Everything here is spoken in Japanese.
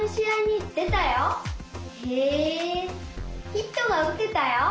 ヒットがうてたよ。